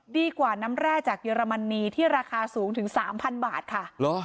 ดีกว่าน้ำแร่จากเยอรมนีที่ราคาสูงถึง๓๐๐บาทค่ะ